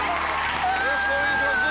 よろしくお願いします。